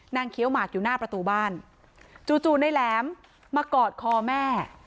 เคี้ยวหมากอยู่หน้าประตูบ้านจู่ในแหลมมากอดคอแม่